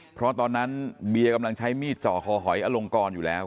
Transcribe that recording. เพราะตอนนั้นเบียกำลังใช้มีดจ่อคอหอยอลงกรอยู่แล้ว